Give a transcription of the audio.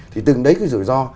thì từng đấy cái rủi ro